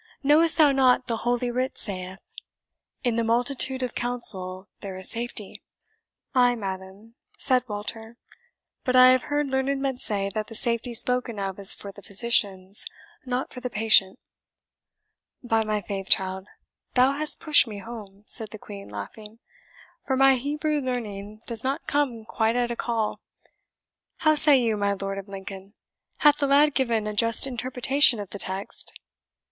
Knowest thou not the Holy Writ saith, 'In the multitude of counsel there is safety'?" "Ay, madam," said Walter; "but I have heard learned men say that the safety spoken of is for the physicians, not for the patient." "By my faith, child, thou hast pushed me home," said the Queen, laughing; "for my Hebrew learning does not come quite at a call. How say you, my Lord of Lincoln? Hath the lad given a just interpretation of the text?"